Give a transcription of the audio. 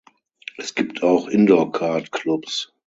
Es gibt auch Indoorkart-Clubs.